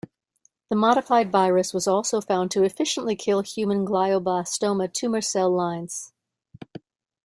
The modified virus was also found to efficiently kill human glioblastoma tumour cell lines.